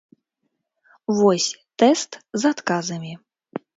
Вось тэст з адказамі.